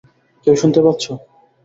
কেউ শুনতে পাচ্ছো?